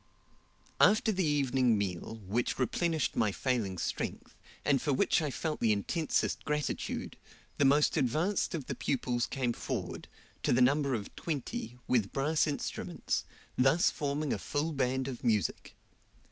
After the evening meal, which replenished my failing strength, and for which I felt the intensest gratitude, the most advanced of the pupils came forward, to the number of twenty, with brass instruments, thus forming a full band of music.